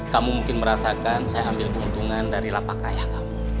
kamu mungkin merasakan saya ambil keuntungan dari lapak ayah kamu